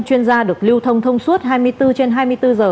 chuyên gia được lưu thông thông suốt hai mươi bốn trên hai mươi bốn giờ